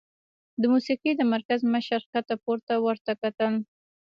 د موسيقۍ د مرکز مشر ښکته پورته ورته وکتل